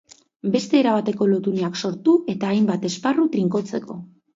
Beste erabateko lotuneak sortu eta hainbat esparru trinkotzeko.